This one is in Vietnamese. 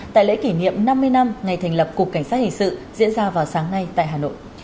tại lễ kỷ niệm năm mươi năm ngày thành lập cục cảnh sát hình sự diễn ra vào sáng nay tại hà nội